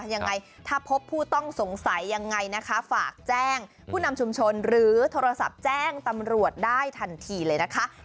ยังไงถ้าพบผู้ต้องสงสัยยังไงนะคะฝากแจ้งผู้นำชุมชนหรือโทรศัพท์แจ้งตำรวจได้ทันทีเลยนะคะ